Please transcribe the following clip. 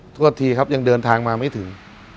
โทษทีครับยังเดินทางมาไม่ถึง